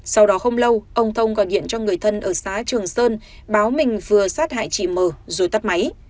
sau đó không lâu ông thông gọi điện cho người thân ở xã trường sơn báo mình vừa sát hại chị m rồi tắt máy